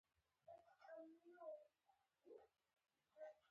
د دستار درې څنډې يې پر اوږو او څټ ځړېدې.